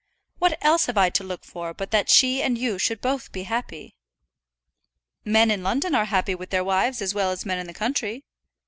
What else have I to look for but that she and you should both be happy?" "Men in London are happy with their wives as well as men in the country."